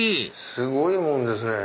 すごいもんですね。